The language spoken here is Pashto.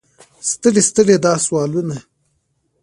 ستړي ستړي دا سوالونه.